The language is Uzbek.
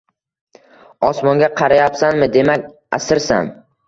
Osmonga qarayapsanmi demak asirsan.